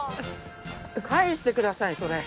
返してくださいそれ。